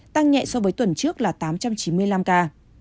tăng nhẹ so với tuần trước là tám trăm chín mươi năm ca